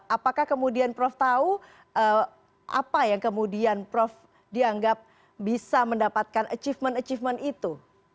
apakah kemudian prof tahu apa yang kemudian prof dianggap bisa mendapatkan achievement achievement itu